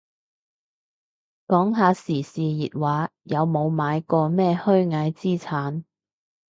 講下時事熱話，有冇買過咩虛擬資產